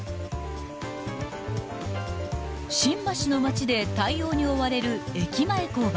［新橋の街で対応に追われる駅前交番］